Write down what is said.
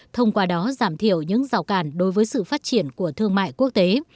thông qua đó giảm thiểu những rào cản đối với sự phát triển của thương mại quốc tế